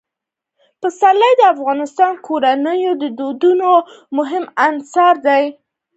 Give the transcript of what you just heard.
پسرلی د افغان کورنیو د دودونو مهم عنصر دی.